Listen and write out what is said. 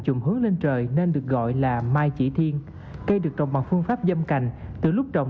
chùm hướng lên trời nên được gọi là mai chỉ thiên cây được trồng bằng phương pháp dâm cành từ lúc trồng